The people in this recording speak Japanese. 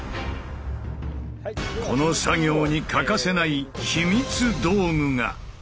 この作業に欠かせない秘密道具が。